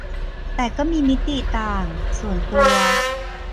แต่ก็มีมิติต่าง ส่วนตัว